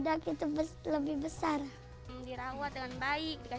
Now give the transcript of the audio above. tidak ada penyelesaian yang bisa dilakukan oleh badak jawa